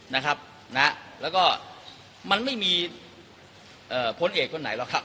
นะครับนะแล้วก็มันไม่มีเอ่อพลเอกคนไหนหรอกครับ